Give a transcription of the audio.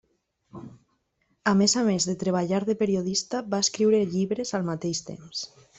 A més a més de treballar de periodista, va escriure llibres al mateix temps.